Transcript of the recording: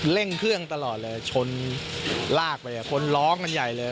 เร่งเครื่องตลอดเลยชนลากไปคนร้องกันใหญ่เลย